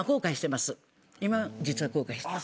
今実は後悔してる。